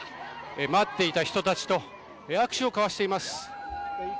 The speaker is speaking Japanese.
待っていた人たちと握手を交わしています。